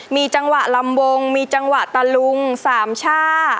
มีจังหวะลำวงมีจังหวะตะลุงสามช่า